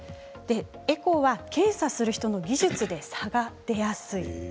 エコーは検査する人の技術の差が出やすい。